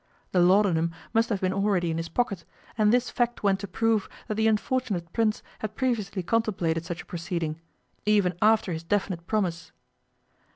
The laudanum must have been already in his pocket, and this fact went to prove that the unfortunate Prince had previously contemplated such a proceeding, even after his definite promise.